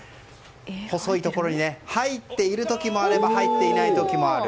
細いところにね入っている時もあれば入っていない時もある。